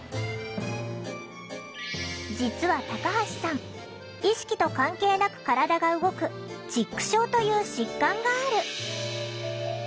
実はタカハシさん意識と関係なく体が動く「チック症」という疾患がある。